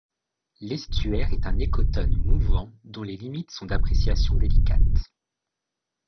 L’estuaire est un écotone mouvant dont les limites sont d’appréciation délicate.